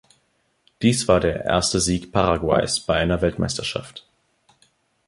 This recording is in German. Dies war der erste Sieg Paraguays bei einer Weltmeisterschaft.